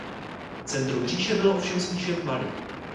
Centrum říše bylo ovšem spíše v Mali.